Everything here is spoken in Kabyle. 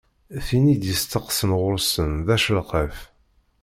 Tin i d-yesteqsan ɣur-sen d acelqef.